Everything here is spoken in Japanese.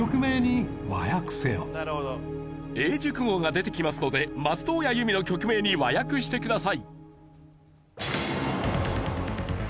英熟語が出てきますので松任谷由実の曲名に和訳してください。